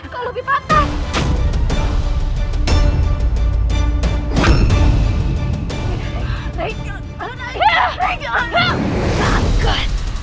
kau lebih pantas